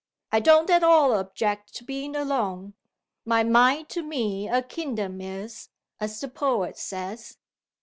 I don't at all object to being alone. 'My mind to me a kingdom is,' as the poet says."